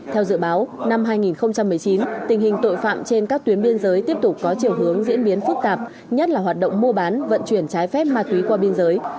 theo dự báo năm hai nghìn một mươi chín tình hình tội phạm trên các tuyến biên giới tiếp tục có chiều hướng diễn biến phức tạp nhất là hoạt động mua bán vận chuyển trái phép ma túy qua biên giới